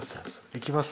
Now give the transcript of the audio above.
行きます？